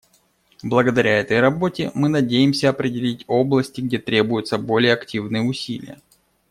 Благодаря этой работе мы надеемся определить области, где требуются более активные усилия.